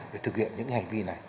để thực hiện những hành vi này